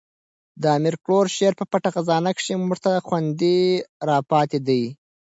د امیر کروړ شعر په پټه خزانه کښي موږ ته خوندي را پاتي دي.